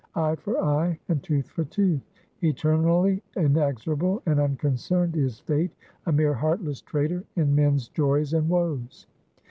Eye for eye, and tooth for tooth. Eternally inexorable and unconcerned is Fate, a mere heartless trader in men's joys and woes.